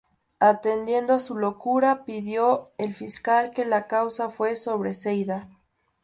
Atendiendo a su locura, pidió el fiscal que la causa fuese sobreseída.